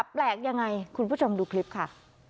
แปลกยังไงคุณผู้ชมดูคลิปค่ะ